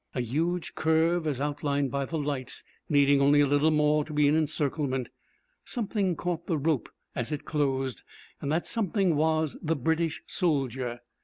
A huge curve, as outlined by the lights, needing only a little more to be an encirclement. Something caught the rope as it closed, and that something was the British soldier.